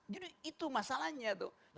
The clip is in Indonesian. jadi itu masalahnya tuh